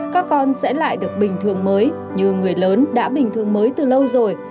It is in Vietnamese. các con sẽ lại được bình thường mới như người lớn đã bình thường mới từ lâu rồi